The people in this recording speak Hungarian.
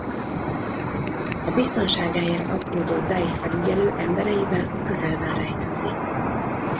A biztonságáért aggódó Dice felügyelő embereivel a közelben rejtőzik.